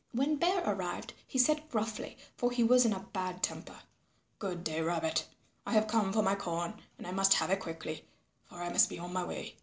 When Bear arrived he said gruffly, for he was in a bad temper, "Good day, Rabbit. I have come for my corn and I must have it quickly, for I must be on my way.